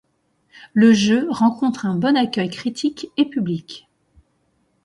Le jeu rencontre un bon accueil critique et public.